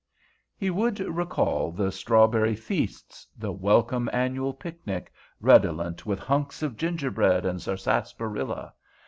He would recall the strawberry feasts, the welcome annual picnic, redolent with hunks of gingerbread and sarsaparilla.